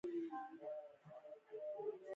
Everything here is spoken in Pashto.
د علامه رشاد لیکنی هنر مهم دی ځکه چې طنز کاروي.